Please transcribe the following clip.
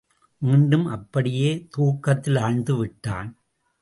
மீண்டும் அப்படியே துக்கத்திலாழ்ந்து விட்டான்.